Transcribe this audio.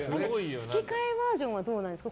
吹き替えバージョンはどうなんですか？